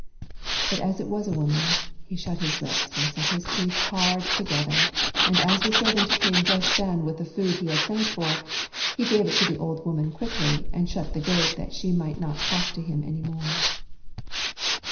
But as it was a woman, he shut his lips and set his teeth hard together, and as the servant came just then with the food he had sent for, he gave it to the old woman quickly, and shut the gate that she might not talk to him any more.